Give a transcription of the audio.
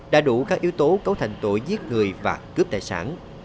đã đủ các yếu tố cấu thành tội giết người và cướp tài sản